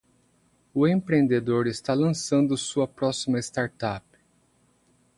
O empreendedor está lançando sua próxima startup.